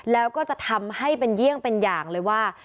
แล้วก็จะทำให้เป็นเยี่ยงเป็นอย่างเลยว่า